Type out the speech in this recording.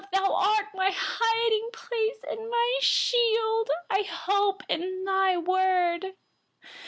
114You are my hiding place and my shield. I hope in your word.